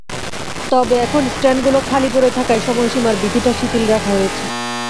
তবে এখন স্ট্যান্ডগুলো খালি পড়ে থাকায় সময়সীমার বিধিটা শিথিল রাখা হয়েছে।